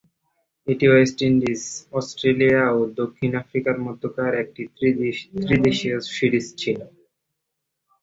এটি West Indies, Australia ও দক্ষিণ আফ্রিকার মধ্যকার একটি ত্রিদেশীয় সিরিজ ছিল।